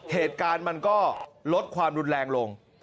เหตุการณ์มันก็ลดความรุนแรงลง